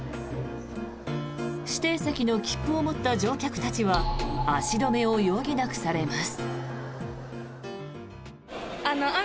指定席の切符を持った乗客たちは足止めを余儀なくされます。